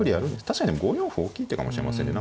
確かに５四歩大きい手かもしれませんね。